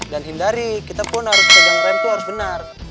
dan hindari kita pun harus pegang rem itu harus benar